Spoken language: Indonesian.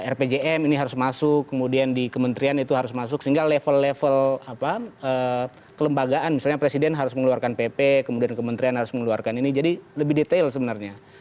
rpjm ini harus masuk kemudian di kementerian itu harus masuk sehingga level level kelembagaan misalnya presiden harus mengeluarkan pp kemudian kementerian harus mengeluarkan ini jadi lebih detail sebenarnya